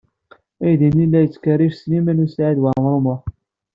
Aydi-nni la yettkerric Sliman U Saɛid Waɛmaṛ U Muḥ.